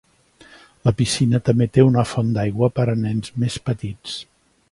La piscina també té una font d'aigua per a nens més petits.